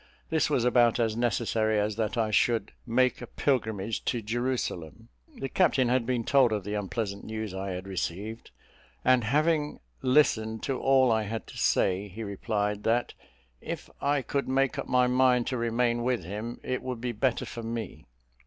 This was about as necessary as that I should make a pilgrimage to Jerusalem. The captain had been told of the unpleasant news I had received, and having listened to all I had to say, he replied, that if I could make up my mind to remain with him it would be better for me.